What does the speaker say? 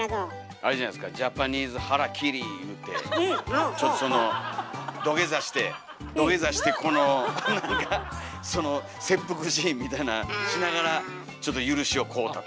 あれじゃないですか「ジャパニーズ腹切り」いうてその土下座して土下座してこの何かその切腹シーンみたいなしながらちょっと許しを請うた。